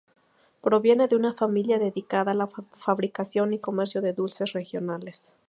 Proviene de una familia dedicada a la fabricación y comercio de dulces regionales.